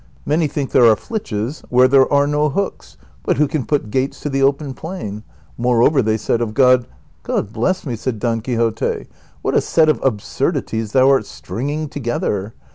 many think there are flitches where there are no hooks ;* but who can put gates to the open plain ?^ moreover they said of God "—" God bless me," said Don Quixote, " what a set of absurdi ties thou art stringing together